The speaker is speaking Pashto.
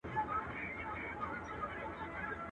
که زما منۍ د دې لولۍ په مینه زړه مه تړی.